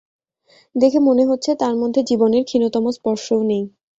দেখে মনে হচ্ছে, তাঁর মধ্যে জীবনের ক্ষীণতম স্পর্শও নেই।